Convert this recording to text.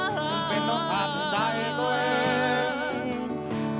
จำเป็นต้องตัดใจตัวเอง